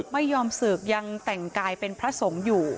ไม่ยอมศึกยังแต่งกายเป็นพระสงฆ์อยู่